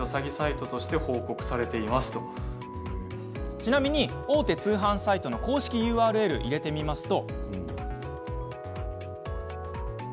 ちなみに大手通販サイトの公式のＵＲＬを入れてみますと。